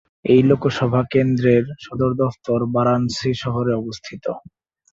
এই লোকসভা কেন্দ্রের সদর দফতর বারাণসী শহরে অবস্থিত।